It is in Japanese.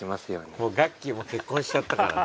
もうガッキーも結婚しちゃったからね。